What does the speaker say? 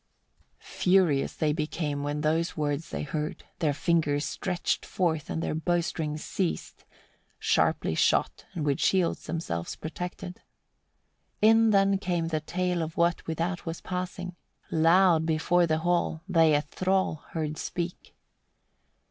42. Furious they became, when those words they heard; their fingers they stretched forth, and their bowstrings seized; sharply shot, and with shields themselves protected. 43. In then came the tale of what without was passing; loud before the hall they a thrall heard speak.